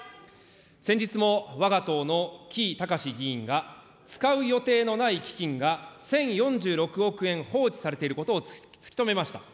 先日もわが党の城井崇議員が使う予定のない基金が、１０４６億円放置されていることをつきとめました。